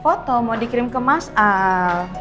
foto mau dikirim ke mas al